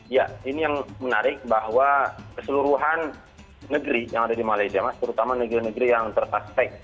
ya ini yang menarik bahwa keseluruhan negeri yang ada di malaysia mas terutama negeri negeri yang tersuspek